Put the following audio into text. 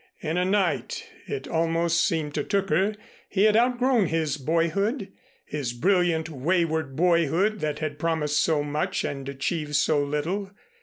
In a night, it almost seemed to Tooker, he had outgrown his boyhood, his brilliant wayward boyhood that had promised so much and achieved so little.